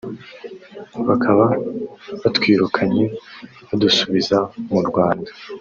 bakaba batwirukanye badusubiza mu Rwanda